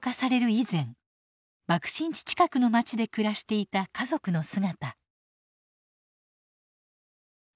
以前爆心地近くの街で暮らしていた家族の姿。